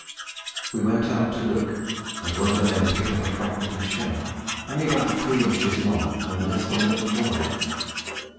We went out to look, and one of the men picked up a fragment of shell, only about three inches long and less than an inch wide.